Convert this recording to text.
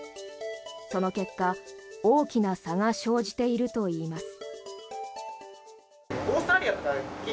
その結果、大きな差が生じているといいます。